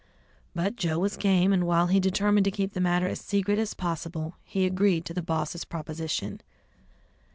But Joe was game, and while he determined to keep the matter as secret as possible, he agreed to the boss's proposition.